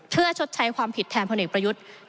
เพื่อชดใช้ความผิดแทนพลเอกประยุทธ์